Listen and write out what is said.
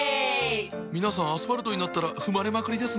皆さんアスファルトになったら踏まれまくりですねぇ。